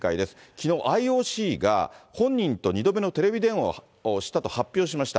きのう、ＩＯＣが、本人と２度目のテレビ電話をしたと発表しました。